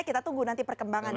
kita tunggu nanti perkembangan ya